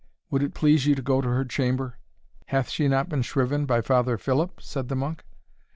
Would it please you to go to her chamber?" "Hath she not been shriven by Father Philip?" said the monk.